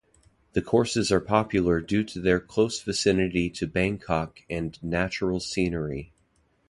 The courses are popular due to their close vicinity to Bangkok and natural scenery.